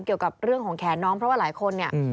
เกี่ยวกับเรื่องของแขนน้องเพราะว่าหลายคนเนี่ย